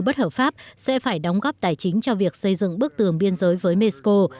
bất hợp pháp sẽ phải đóng góp tài chính cho việc xây dựng bức tường biên giới với mexico